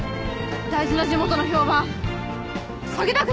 大事な地元の評判下げたくないんで！